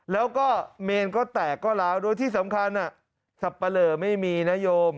แล้วก็เมนก็แตกก็ล้าวโดยที่สำคัญสับปะเหลอไม่มีนะโยม